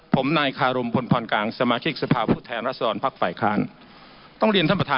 เชิญอธิบายมาประทวง